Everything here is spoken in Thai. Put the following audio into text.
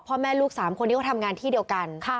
พ่อแม่ลูก๓คนที่เขาทำงานที่เดียวกัน